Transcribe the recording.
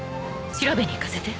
調べに行かせて。